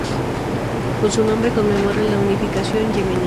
Con su nombre conmemora la unificación yemení.